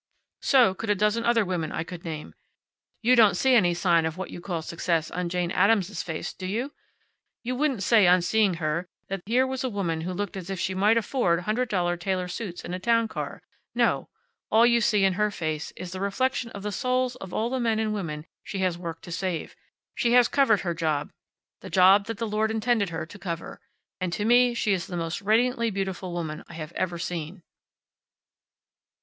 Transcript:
So could a dozen other women I could name. You don't see any sign of what you call success on Jane Addams's face, do you? You wouldn't say, on seeing her, that here was a woman who looked as if she might afford hundred dollar tailor suits and a town car. No. All you see in her face is the reflection of the souls of all the men and women she has worked to save. She has covered her job the job that the Lord intended her to cover. And to me she is the most radiantly beautiful woman I have ever seen."